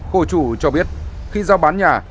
khổ chủ cho biết khi giao bán nhà